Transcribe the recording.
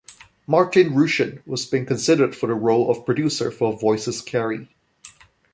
Martin Rushent was being considered for the role of producer for "Voices Carry".